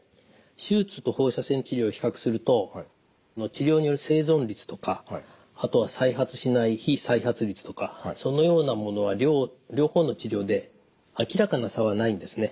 手術と放射線治療を比較すると治療による生存率とかあとは再発しない非再発率とかそのようなものは両方の治療であきらかな差はないんですね。